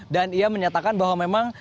ia menyatakan bahwa memang